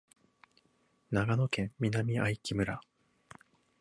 長野県南相木村